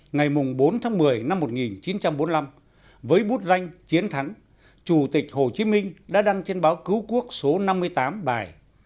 ngày bốn tháng một mươi năm một nghìn chín trăm bốn mươi năm với bút ranh chiến thắng chủ tịch hồ chí minh đã đăng trên báo cứu quốc số năm mươi tám bài